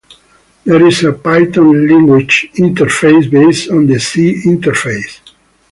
There is a Python language interface based on the C interface.